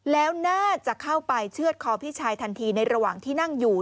แล้วน่าจะเข้าไปเชื่อดคอพี่ชายทันทีในระหว่างที่นั่งอยู่